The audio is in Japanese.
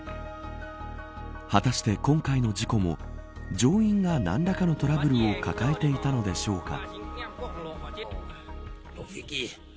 果たして、今回の事故も乗員が何らかのトラブルを抱えていたのでしょうか。